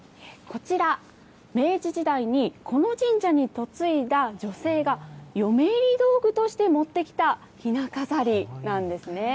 こちら、明治時代に、この神社に嫁いだ女性が嫁入り道具として持ってきたひな飾りなんですね。